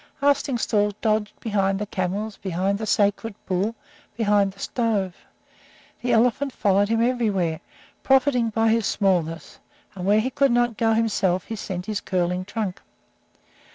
Arstingstall dodged behind the camels, behind the sacred bull, behind the stove. The elephant followed him everywhere, profiting by his smallness, and where he could not go himself he sent his curling trunk.